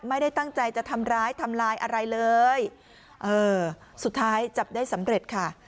ไม่ได้ตั้งใจจะทำร้ายทำลายอะไรเลยเออสุดท้ายจับได้สำเร็จค่ะ